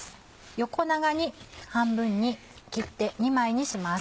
横長に半分に切って２枚にします。